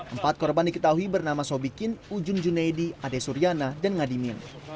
empat korban diketahui bernama sobikin ujun junaidi ade suryana dan ngadimin